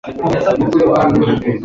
It beggars belief